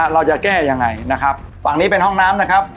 เราจะแก้ยังไงนะครับฝั่งนี้เป็นห้องน้ำนะครับ